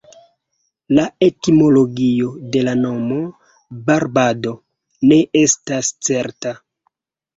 La etimologio de la nomo "Barbado" ne estas certa.